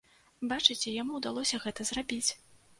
Бачыце, яму ўдалося гэта зрабіць.